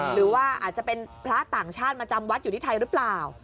หรือว่าอาจจะเป็นพระต่างชาติมาจำวัดอยู่ที่ไทยหรือเปล่า